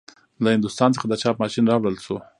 له هندوستان څخه د چاپ ماشین راوړل شو.